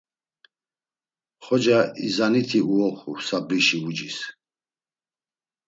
Xoca izaniti uoxu Sabrişi ucis?